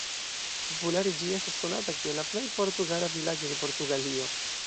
Populare ĝi estas konata kiel la""plej portugala vilaĝo de Portugalio"".